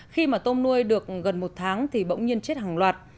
khi mà tôm nuôi được gần một tháng thì bỗng nhiên chết hàng loạt